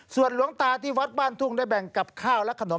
ส่วนหลวงตาที่วัดบ้านทุ่งได้แบ่งกับข้าวและขนม